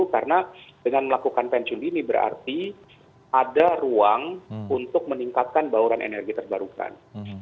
karena dengan melakukan pensiun dini berarti ada ruang untuk meningkatkan bauran energi terbarukan